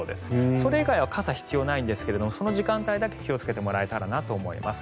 それ以外は傘はいらないんですがその時間帯だけ気をつけてもらえたらなと思います。